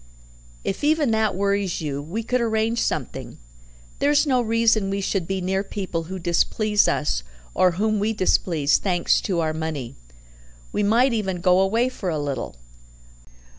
"If even that worries you, we could arrange something. There's no reason we should be near people who displease us or whom we displease, thanks to our money. We might even go away for a little."